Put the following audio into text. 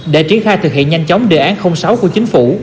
để triển khai thực hiện nhanh chóng đề án sáu của chính phủ